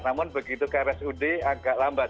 namun begitu ke rsud agak lambat